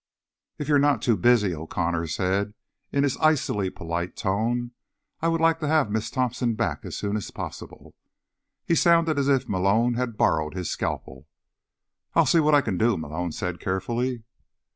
"If you're not too busy," O'Connor said in his icily polite tone, "I would like to have Miss Thompson back as soon as possible." He sounded as if Malone had borrowed his scalpel. "I'll see what I can do," Malone said carefully.